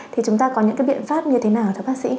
thì chúng ta có những cái biện pháp như thế nào thưa bác sĩ